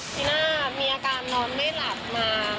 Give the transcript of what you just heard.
ที่หน้ามีอาการนอนไม่หลับมา